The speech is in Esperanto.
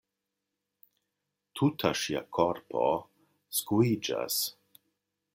Tuta ŝia korpo skuiĝas.